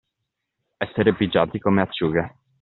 Essere pigiati come acciughe.